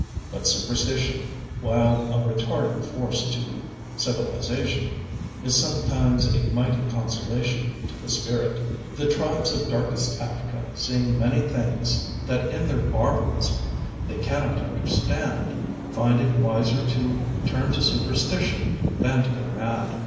But superstition, while a retarding force to civilization, is sometimes a mighty consolation to the spirit. The tribes of Darkest Africa, seeing many things that in their barbarism they can not understand, find it wiser to turn to superstition than to go mad.